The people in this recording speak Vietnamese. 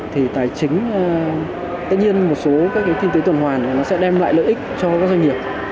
thì tài chính tất nhiên một số các kinh tế tuần hoàn nó sẽ đem lại lợi ích cho các doanh nghiệp